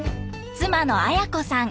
妻の綾子さん。